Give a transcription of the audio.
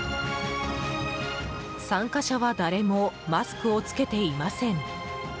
参加者は誰もマスクを着けていません。